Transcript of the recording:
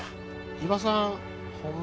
伊庭さん